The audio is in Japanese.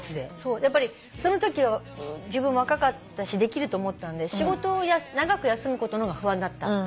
やっぱりそのときは若かったしできると思ったんで仕事を長く休むことの方が不安だった。